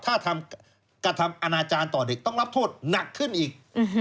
ถ้ากระทำอนาจารย์ต่อเด็กต้องรับโทษหนักขึ้นอีก